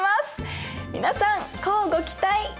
皆さん乞うご期待！